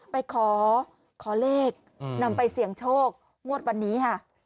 ไปขอขอเลขนำไปเสี่ยงโชคงวดวันนี้ค่ะ